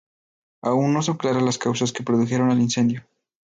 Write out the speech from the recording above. Aún no son claras las causas que produjeron el incendio.